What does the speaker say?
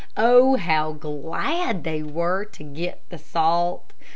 Oh, how glad they were to get the salt!